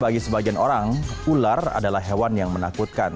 bagi sebagian orang ular adalah hewan yang menakutkan